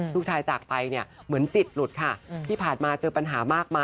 จากไปเนี่ยเหมือนจิตหลุดค่ะที่ผ่านมาเจอปัญหามากมาย